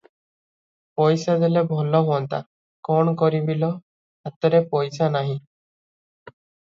ପଇସାଏ ଦେଲେ ଭଲ ହୁଅନ୍ତା - କଣ କରିବି ଲୋ, ହାତରେ ପଇସା ନାହିଁ ।